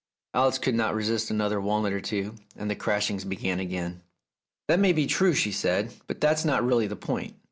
Alice could not resist another walnut or two, and the crashings began again. "That may be true," she said; "but that's not really the point.